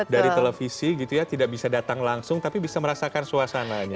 dari televisi gitu ya tidak bisa datang langsung tapi bisa merasakan suasananya